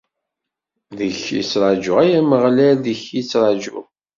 Deg-k i ttraǧuɣ, ay Ameɣlal, deg-k i ttraǧuɣ!